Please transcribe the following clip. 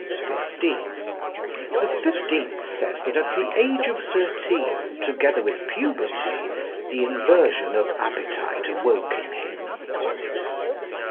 (15) A fifteenth says that at the age of thirteen, together with puberty, the inversion of appetite awoke in him.